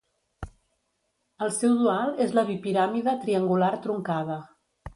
El seu dual és la bipiràmide triangular truncada.